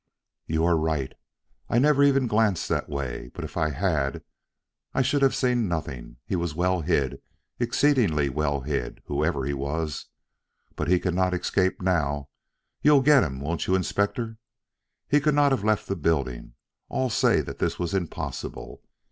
"You are right. I never even glanced that way. But if I had, I should have seen nothing. He was well hid, exceedingly well hid, whoever he was. But he cannot escape now; you'll get him, won't you, Inspector? He could not have left the building all say that this was impossible.